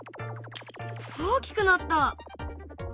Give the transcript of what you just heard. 大きくなった。